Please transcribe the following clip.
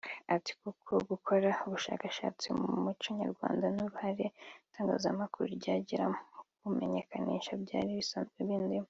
Ati “Kuko gukora ubushakashatsi ku Muco Nyarwanda n’uruhare itangazamakuru ryagira mu kuwumenyekanisha byari bisanzwe bindimo